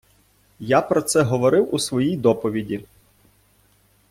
Я про це говорив у своїй доповіді.